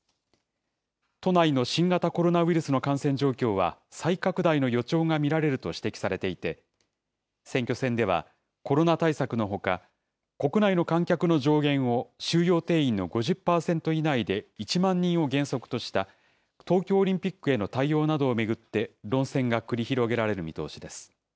都内の新型コロナウイルスの感染状況は再拡大の予兆が見られると指摘されていて、選挙戦ではコロナ対策のほか、国内の観客の上限を収容定員の５０％以内で１万人を原則とした東京オリンピックへの対応などを巡って論戦が繰り広げられる見通しです。